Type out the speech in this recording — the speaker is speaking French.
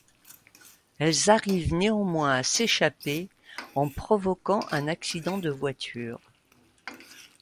Elles arrivent néanmoins à s'échapper en provoquant un accident de voiture.